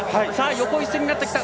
横一線になってきた。